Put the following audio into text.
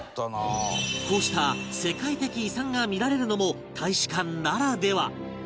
こうした世界的遺産が見られるのも大使館ならでは